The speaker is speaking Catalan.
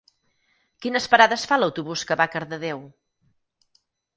Quines parades fa l'autobús que va a Cardedeu?